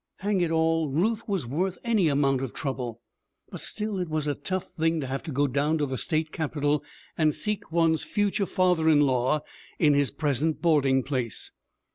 Hang it all! Ruth was worth any amount of trouble, but still it was a tough thing to have to go down to the state capital and seek one's future father in law in his present boarding place!